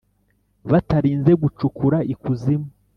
batarinze gucukura ikuzimu